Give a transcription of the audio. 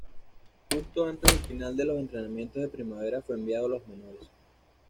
Justo antes del final de los entrenamientos de primavera, fue enviado a las menores.